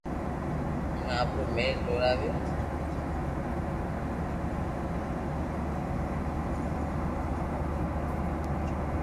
اوني آپرو مھل جوراويو